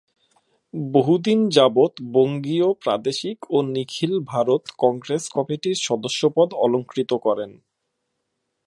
বহুদিন যাবত বঙ্গীয় প্রাদেশিক ও নিখিল ভারত কংগ্রেস কমিটির সদস্যপদ অলংকৃত করেন।